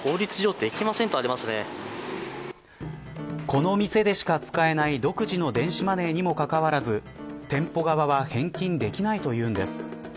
この店でしか使えない独自の電子マネーにもかかわらず店舗側は返金できないというんです。